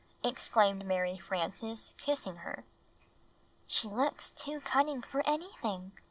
exclaimed Mary Frances, kissing her. "She looks too cunning for anything!"